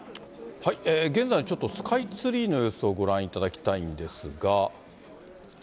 現在のちょっと、スカイツリーの様子をご覧いただきたいんですが。